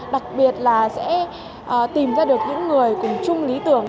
đặc biệt là sẽ tìm ra được những người cùng chung lý tưởng